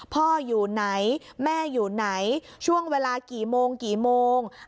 พ่ออยู่ไหนแม่อยู่ไหนช่วงเวลากี่โมงกี่โมง